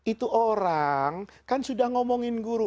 itu orang kan sudah ngomongin guru